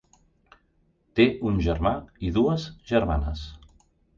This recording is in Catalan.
Té un germà i dues germanes.